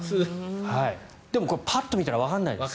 でも、パッと見たらわからないです。